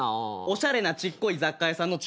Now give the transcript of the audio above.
おしゃれなちっこい雑貨屋さんは。